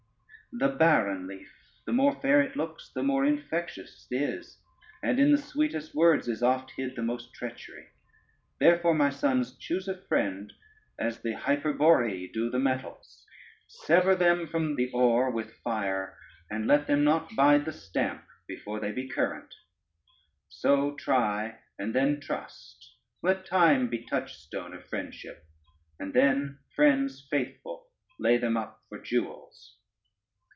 The Baaran leaf the more fair it looks, the more infectious it is, and in the sweetest words is oft hid the most treachery. Therefore, my sons, choose a friend as the Hyperborei do the metals, sever them from the ore with fire, and let them not bide the stamp before they be current: so try and then trust, let time be touchstone of friendship, and then friends faithful lay them up for jewels.